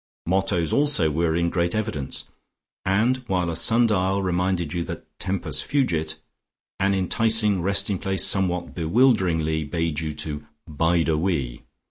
Mottos also were in great evidence, and while a sundial reminded you that "Tempus fugit," an enticing resting place somewhat bewilderingly bade you to "Bide a wee."